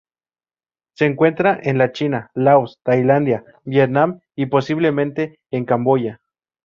Se encuentra en la China, Laos, Tailandia, Vietnam y, posiblemente en Camboya.